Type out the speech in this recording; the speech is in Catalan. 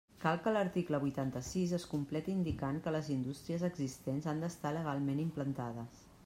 Cal que l'article vuitanta-sis es completi indicant que les indústries existents han d'estar legalment implantades.